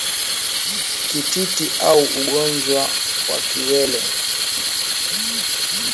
Kititi au Ugonjwa wa Kiwele